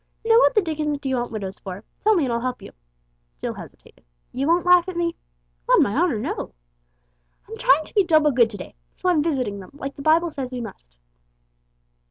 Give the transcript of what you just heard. Now, what the dickens do you want widows for? Tell me, and I'll help you." Jill hesitated. "You won't laugh at me?" "On my honour, no." "I'm trying to be double good to day, so I'm visiting them, like the Bible says we must."